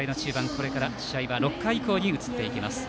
これから試合は６回以降に入っていきます。